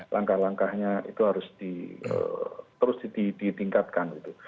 langkah langkahnya itu harus terus ditingkatkan gitu